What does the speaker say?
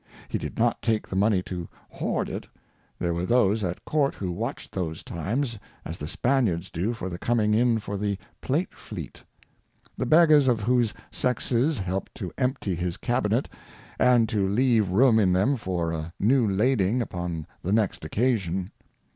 He did not take the Money to hoard it ; there were those at Court who watched those Times, as the Spaniards do for the coming in of the Plate Fleet. The Beggars of both Sexes helped to empty his Cabinet, and to leave room in them for a new lading upon the next Occasion.